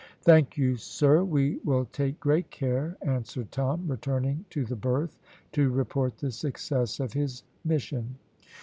"Thank you, sir, we will take great care," answered Tom, returning to the berth to report the success of his mission.